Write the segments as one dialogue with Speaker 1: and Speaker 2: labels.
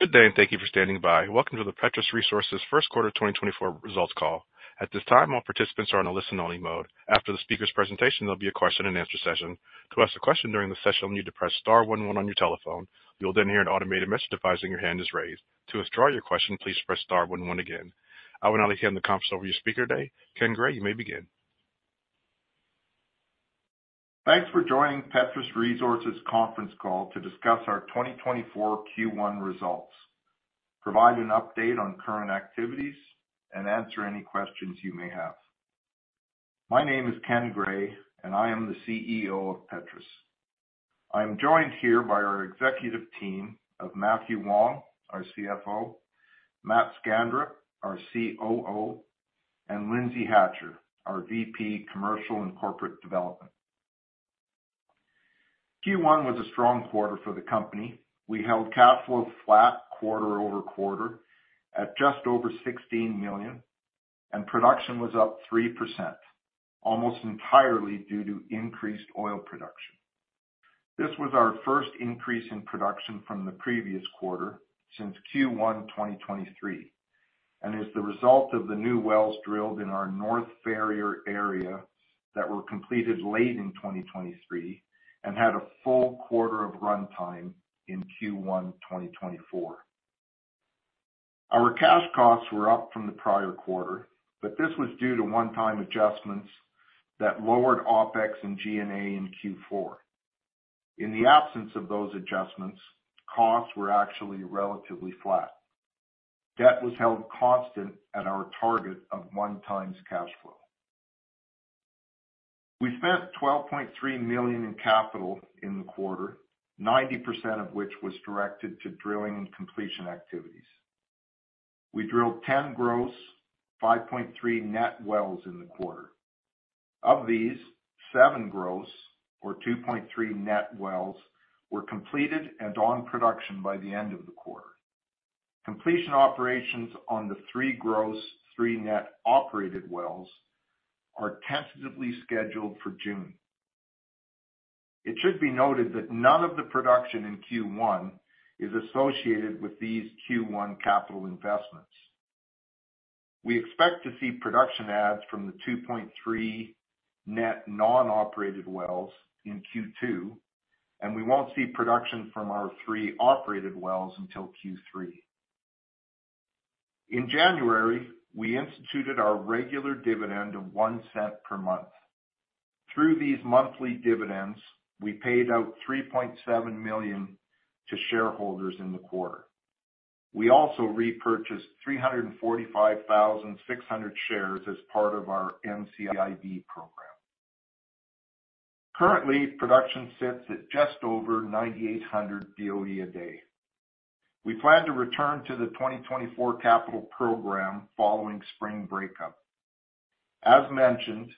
Speaker 1: Good day, and thank you for standing by. Welcome to the Petrus Resources First Quarter 2024 results call. At this time, all participants are on a listen-only mode. After the speaker's presentation, there'll be a question-and-answer session. To ask a question during the session, you need to press star one one on your telephone. You'll then hear an automated message advising your hand is raised. To withdraw your question, please press star one one again. I will now hand the conference over to your speaker today. Ken Gray, you may begin.
Speaker 2: Thanks for joining Petrus Resources conference call to discuss our 2024 Q1 results. Provide an update on current activities and answer any questions you may have. My name is Ken Gray, and I am the CEO of Petrus. I am joined here by our executive team of Mathew Wong, our CFO; Matt Skanderup, our COO; and Lindsay Hatcher, our VP Commercial and Corporate Development. Q1 was a strong quarter for the company. We held cash flow flat quarter over quarter at just over 16 million, and production was up 3%, almost entirely due to increased oil production. This was our first increase in production from the previous quarter since Q1 2023 and is the result of the new wells drilled in our North Ferrier area that were completed late in 2023 and had a full quarter of runtime in Q1 2024. Our cash costs were up from the prior quarter, but this was due to one-time adjustments that lowered OPEX and G&A in Q4. In the absence of those adjustments, costs were actually relatively flat. Debt was held constant at our target of 1x cash flow. We spent 12.3 million in capital in the quarter, 90% of which was directed to drilling and completion activities. We drilled 10 gross, 5.3 net wells in the quarter. Of these, 7 gross, or 2.3 net wells, were completed and on production by the end of the quarter. Completion operations on the 3 gross, 3 net operated wells are tentatively scheduled for June. It should be noted that none of the production in Q1 is associated with these Q1 capital investments. We expect to see production adds from the 2.3 net non-operated wells in Q2, and we won't see production from our 3 operated wells until Q3. In January, we instituted our regular dividend of 0.01 per month. Through these monthly dividends, we paid out 3.7 million to shareholders in the quarter. We also repurchased 345,600 shares as part of our NCIB program. Currently, production sits at just over 9,800 BOE a day. We plan to return to the 2024 capital program following spring breakup. As mentioned,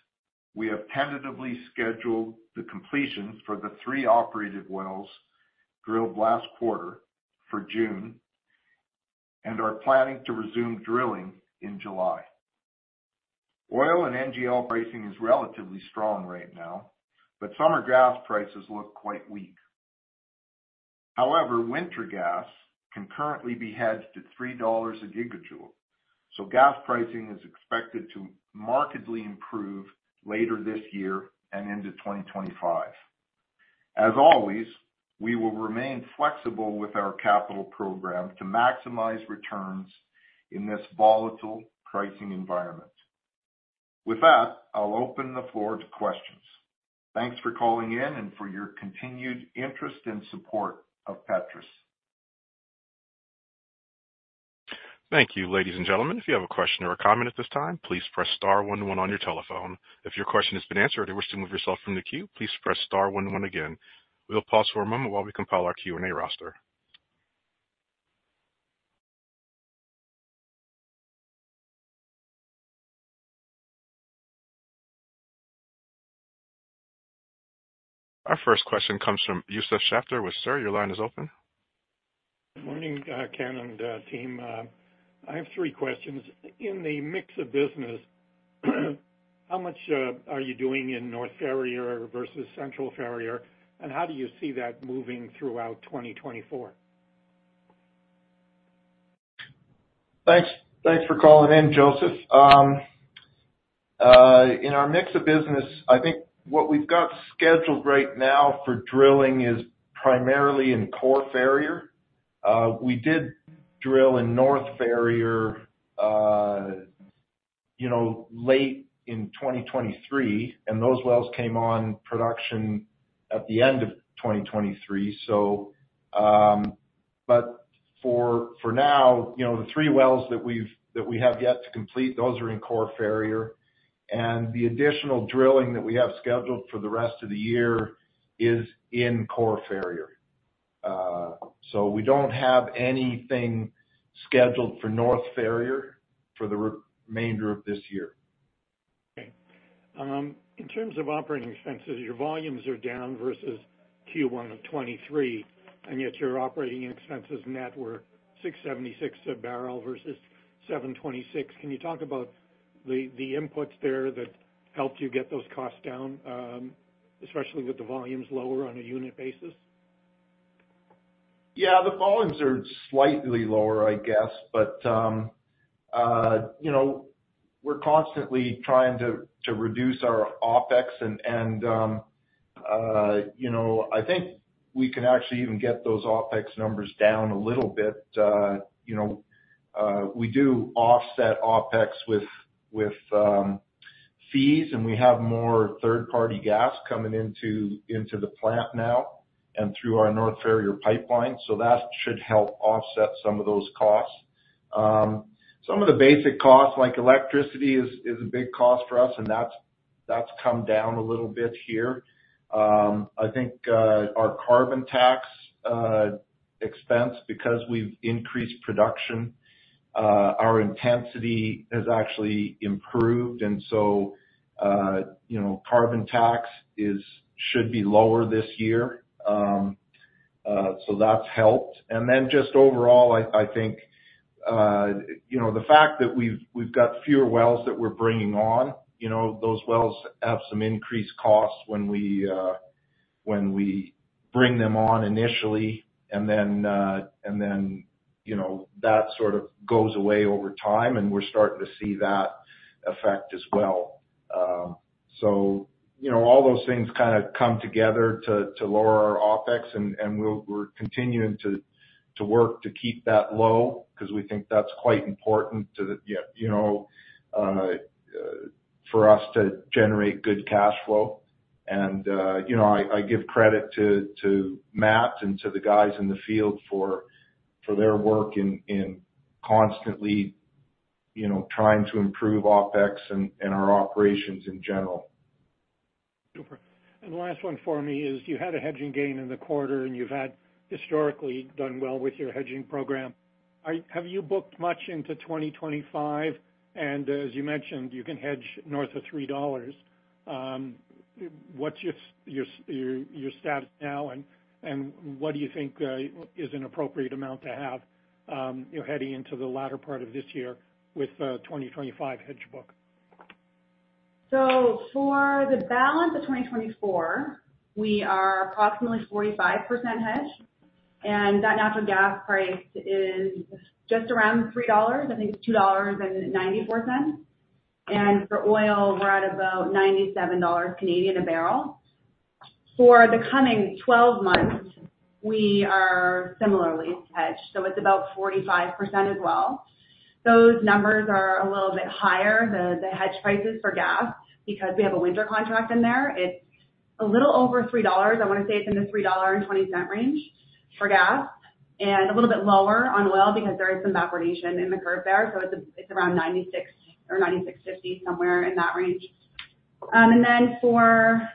Speaker 2: we have tentatively scheduled the completions for the 3 operated wells drilled last quarter for June and are planning to resume drilling in July. Oil and NGL pricing is relatively strong right now, but summer gas prices look quite weak. However, winter gas can currently be hedged at 3 dollars a gigajoule, so gas pricing is expected to markedly improve later this year and into 2025. As always, we will remain flexible with our capital program to maximize returns in this volatile pricing environment. With that, I'll open the floor to questions. Thanks for calling in and for your continued interest and support of Petrus.
Speaker 1: Thank you. Ladies and gentlemen, if you have a question or a comment at this time, please press star one one on your telephone. If your question has been answered or you wish to move yourself from the queue, please press star one one again. We'll pause for a moment while we compile our Q&A roster. Our first question comes from Josef Schachter with Schachter. Your line is open.
Speaker 3: Good morning, Ken and team. I have three questions. In the mix of business, how much are you doing in North Ferrier versus Central Ferrier, and how do you see that moving throughout 2024?
Speaker 2: Thanks for calling in, Josef. In our mix of business, I think what we've got scheduled right now for drilling is primarily in Core Ferrier. We did drill in North Ferrier late in 2023, and those wells came on production at the end of 2023. But for now, the three wells that we have yet to complete, those are in Core Ferrier, and the additional drilling that we have scheduled for the rest of the year is in Core Ferrier. So we don't have anything scheduled for North Ferrier for the remainder of this year.
Speaker 3: Okay. In terms of operating expenses, your volumes are down versus Q1 of 2023, and yet your operating expenses net were 6.76 a barrel versus 7.26. Can you talk about the inputs there that helped you get those costs down, especially with the volumes lower on a unit basis?
Speaker 2: Yeah, the volumes are slightly lower, I guess, but we're constantly trying to reduce our OPEX, and I think we can actually even get those OPEX numbers down a little bit. We do offset OPEX with fees, and we have more third-party gas coming into the plant now and through our North Ferrier pipeline, so that should help offset some of those costs. Some of the basic costs, like electricity, is a big cost for us, and that's come down a little bit here. I think our carbon tax expense, because we've increased production, our intensity has actually improved, and so carbon tax should be lower this year. So that's helped. Then just overall, I think the fact that we've got fewer wells that we're bringing on, those wells have some increased costs when we bring them on initially, and then that sort of goes away over time, and we're starting to see that effect as well. So all those things kind of come together to lower our OPEX, and we're continuing to work to keep that low because we think that's quite important for us to generate good cash flow. And I give credit to Matt and to the guys in the field for their work in constantly trying to improve OPEX and our operations in general.
Speaker 3: Super. And the last one for me is you had a hedging gain in the quarter, and you've historically done well with your hedging program. Have you booked much into 2025? And as you mentioned, you can hedge north of $3. What's your status now, and what do you think is an appropriate amount to have heading into the latter part of this year with a 2025 hedge book? So for the balance of 2024, we are approximately 45% hedged, and that natural gas price is just around 3 dollars. I think it's 2.94 dollars. And for oil, we're at about 97 dollars a barrel. For the coming 12 months, we are similarly hedged, so it's about 45% as well. Those numbers are a little bit higher, the hedge prices for gas, because we have a winter contract in there. It's a little over 3 dollars. I want to say it's in the 3.20 dollar range for gas and a little bit lower on oil because there is some backwardation in the curve there, so it's around 96 or 96.50, somewhere in that range. And then for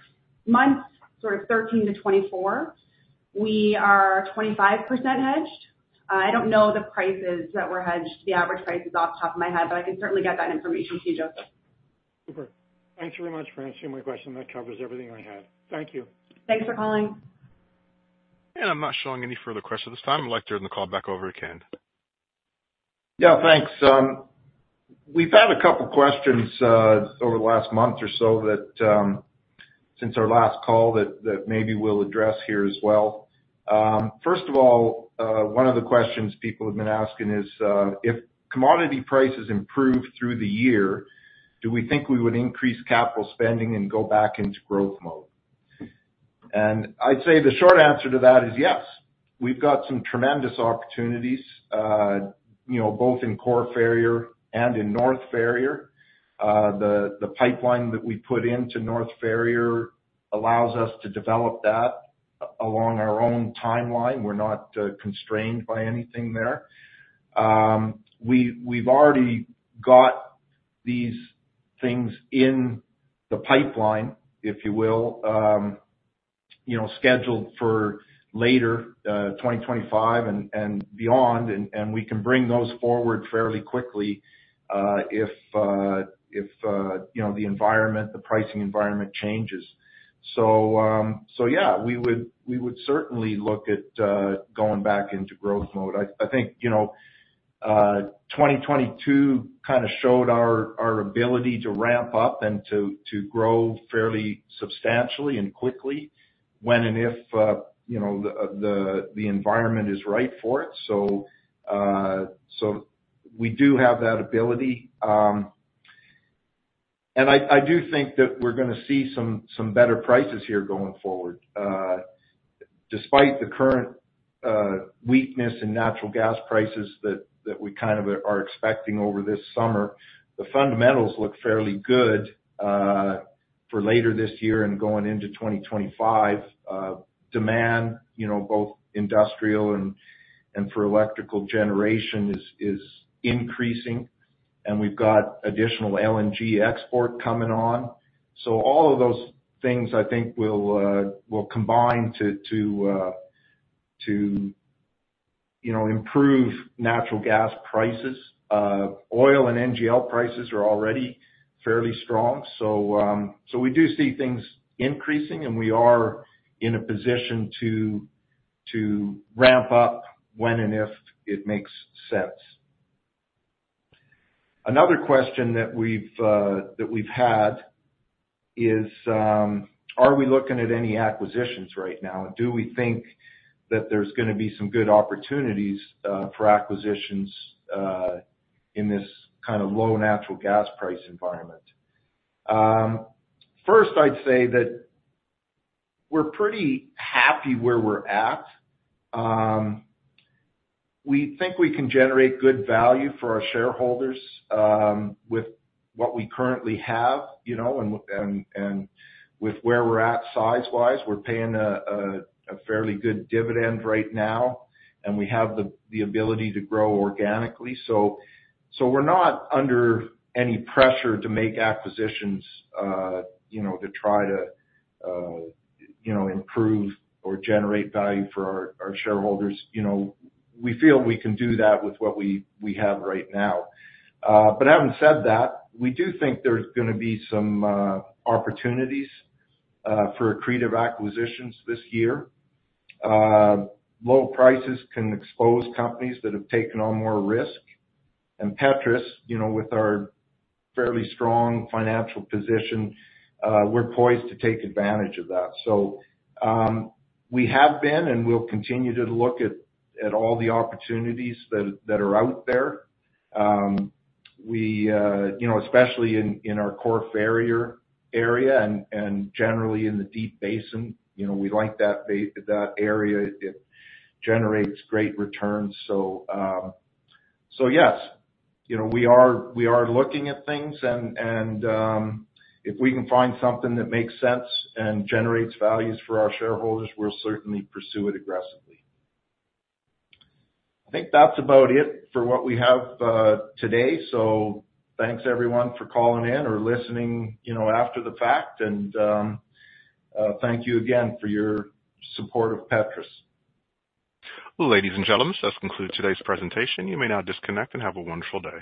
Speaker 3: months 13-24, we are 25% hedged. I don't know the prices that we're hedged, the average prices, off the top of my head, but I can certainly get that information to you, Josef. Super. Thanks very much for answering my question. That covers everything I had. Thank you. Thanks for calling.
Speaker 1: I'm not showing any further questions at this time. I'd like to turn the call back over to Ken.
Speaker 2: Yeah, thanks. We've had a couple of questions over the last month or so since our last call that maybe we'll address here as well. First of all, one of the questions people have been asking is, if commodity prices improve through the year, do we think we would increase capital spending and go back into growth mode? And I'd say the short answer to that is yes. We've got some tremendous opportunities both in Core Ferrier and in North Ferrier. The pipeline that we put into North Ferrier allows us to develop that along our own timeline. We're not constrained by anything there. We've already got these things in the pipeline, if you will, scheduled for later 2025 and beyond, and we can bring those forward fairly quickly if the environment, the pricing environment, changes. So yeah, we would certainly look at going back into growth mode. I think 2022 kind of showed our ability to ramp up and to grow fairly substantially and quickly when and if the environment is right for it. We do have that ability. I do think that we're going to see some better prices here going forward. Despite the current weakness in natural gas prices that we kind of are expecting over this summer, the fundamentals look fairly good for later this year and going into 2025. Demand, both industrial and for electrical generation, is increasing, and we've got additional LNG export coming on. All of those things, I think, will combine to improve natural gas prices. Oil and NGL prices are already fairly strong, so we do see things increasing, and we are in a position to ramp up when and if it makes sense. Another question that we've had is, are we looking at any acquisitions right now? Do we think that there's going to be some good opportunities for acquisitions in this kind of low natural gas price environment? First, I'd say that we're pretty happy where we're at. We think we can generate good value for our shareholders with what we currently have and with where we're at size-wise. We're paying a fairly good dividend right now, and we have the ability to grow organically, so we're not under any pressure to make acquisitions to try to improve or generate value for our shareholders. We feel we can do that with what we have right now. But having said that, we do think there's going to be some opportunities for accretive acquisitions this year. Low prices can expose companies that have taken on more risk, and Petrus, with our fairly strong financial position, we're poised to take advantage of that. So we have been and will continue to look at all the opportunities that are out there, especially in our Core Ferrier area and generally in the Deep Basin. We like that area. It generates great returns. So yes, we are looking at things, and if we can find something that makes sense and generates values for our shareholders, we'll certainly pursue it aggressively. I think that's about it for what we have today. So thanks, everyone, for calling in or listening after the fact, and thank you again for your support of Petrus.
Speaker 1: Well, ladies and gentlemen, that concludes today's presentation. You may now disconnect and have a wonderful day.